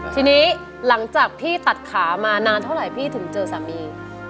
ทีนี้หลังจากพี่ตัดขามานานเท่าไหร่พี่ถึงเจอสามี